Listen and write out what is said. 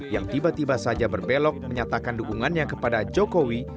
yang tiba tiba saja berbelok menyatakan dukungannya kepada jokowi